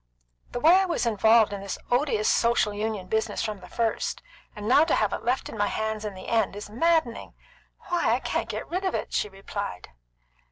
"The way I was involved in this odious Social Union business from the first, and now have it left on my hands in the end, is maddening. Why, I can't get rid of it!" she replied.